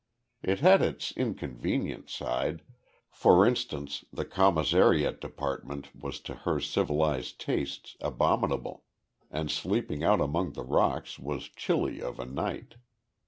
It had its inconvenient side for instance the commissariat department was to her civilised tastes, abominable, and sleeping out among the rocks was chilly of a night.